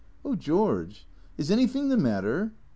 " Oh, George, is anything the matter